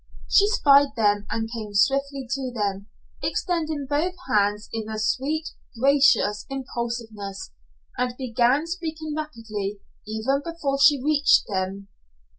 She spied them and came swiftly to them, extending both hands in a sweet, gracious impulsiveness, and began speaking rapidly even before she reached them.